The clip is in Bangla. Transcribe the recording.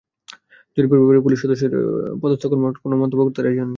জরিপের ব্যাপারে পুলিশ সদর দপ্তরের পদস্থ কর্মকর্তারা কোনো মন্তব্য করতে রাজি হননি।